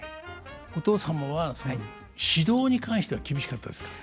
お父様は指導に関しては厳しかったですか？